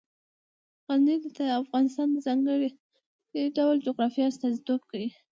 غزني د افغانستان د ځانګړي ډول جغرافیه استازیتوب کوي.